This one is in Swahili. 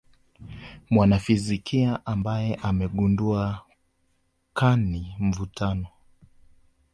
mwanafizikia ambaye amegundua kani mvutano